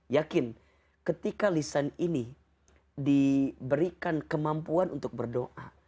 yakin ketika lisan ini diberikan kemampuan untuk berdoa